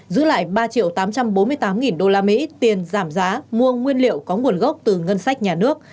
giữ lại ba triệu tám trăm bốn mươi tám usd tiền giảm giá mua nguyên liệu có nguồn gốc từ ngân sách nhà nước